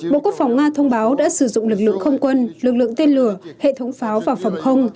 bộ quốc phòng nga thông báo đã sử dụng lực lượng không quân lực lượng tên lửa hệ thống pháo và phòng không